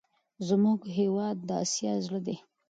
زموږ هېواد د اسیا زړه دی.